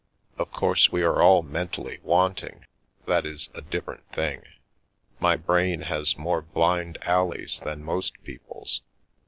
Of course we are all " mentally wanting." That is a different thing. My brain has more " blind alleys " than most people's.